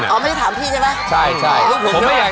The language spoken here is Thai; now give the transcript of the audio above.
อ๋อไม่ได้ถามพี่ใช่ไหม